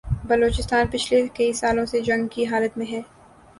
بلوچستان پچھلے کئی سالوں سے جنگ کی حالت میں ہے